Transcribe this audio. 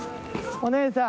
お姉さん。